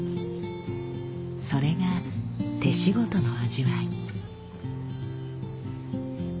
それが手仕事の味わい。